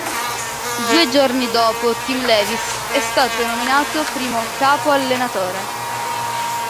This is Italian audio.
Due giorni dopo Tim Lewis è stato nominato primo capo-allenatore.